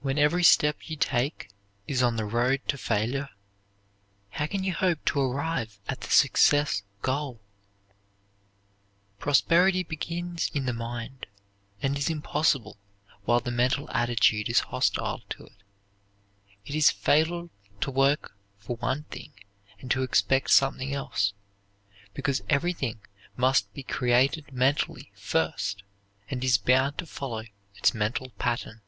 When every step you take is on the road to failure, how can you hope to arrive at the success goal? Prosperity begins in the mind and is impossible while the mental attitude is hostile to it. It is fatal to work for one thing and to expect something else, because everything must be created mentally first and is bound to follow its mental pattern.